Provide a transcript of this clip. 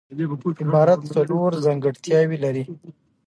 عبارت څلور ځانګړتیاوي لري.